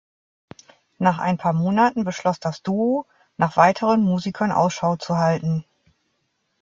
Nach ein paar Monaten beschloss das Duo, nach weiteren Musikern Ausschau zu halten.